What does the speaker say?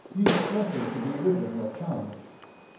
You sweated to be rid of your charge."